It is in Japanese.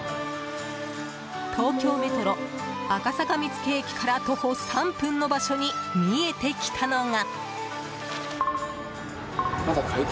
東京メトロ赤坂見附駅から徒歩３分の場所に見えてきたのが。